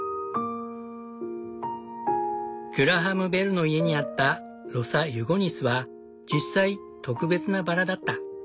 グラハム・ベルの家にあったロサ・ユゴニスは実際特別なバラだった。